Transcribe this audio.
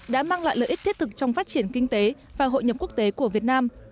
đã mang lại lợi ích thiết thực trong phát triển kinh tế và hội nhập quốc tế của việt nam